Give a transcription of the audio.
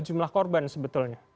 jumlah korban sebetulnya